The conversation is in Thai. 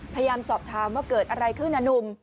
พยายามสอบถามว่าเกิดอะไรขึ้นนะหนุ่ม